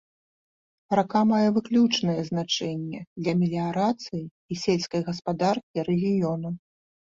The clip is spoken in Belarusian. Рака мае выключнае значэнне для меліярацыі і сельскай гаспадаркі рэгіёну.